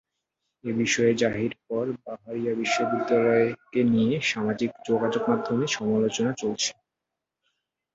এ বিজ্ঞপ্তি জারির পর বাহরিয়া বিশ্ববিদ্যালয়কে নিয়ে সামাজিক যোগাযোগমাধ্যমে সমালোচনা চলছে।